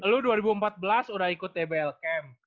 lalu dua ribu empat belas udah ikut tbl camp